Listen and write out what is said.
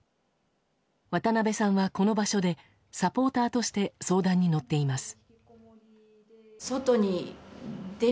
渡辺さんは、この場所でサポーターとして相談に乗っています。